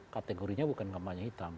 kategorinya bukan kampanye hitam